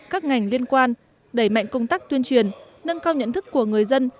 các ngành liên quan đẩy mạnh công tác tuyên truyền nâng cao nhận thức của người dân